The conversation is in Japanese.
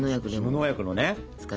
無農薬のね。